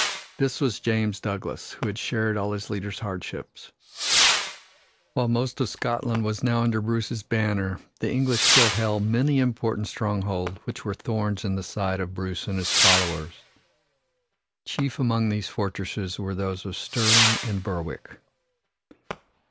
This was James Douglas, who had shared all his leader's hardships. While most of Scotland was now under Bruce's banner, the English still held many important strongholds which were thorns in the side of Bruce and his followers. Chief among these fortresses were those of Stirling and Berwick.